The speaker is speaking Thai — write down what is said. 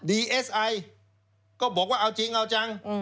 เอสไอก็บอกว่าเอาจริงเอาจัง